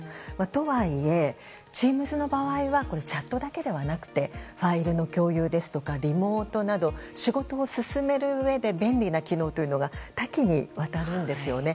とはいえ、Ｔｅａｍｓの場合はチャットだけではなくファイルの共有やリモートなど仕事を進めるうえで便利な機能というのが多岐にわたるんですよね。